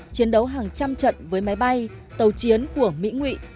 chiến đấu hàng trăm trận với máy bay tàu chiến của mỹ nguyện